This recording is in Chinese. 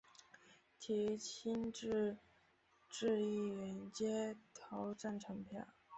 其余亲建制议员皆投赞成票。